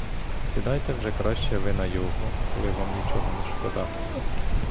Сідайте вже краще ви на його, коли вам нічого не шкода.